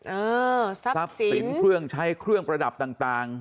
อ่าซับสินซับสินเครื่องใช้เครื่องประดับต่าง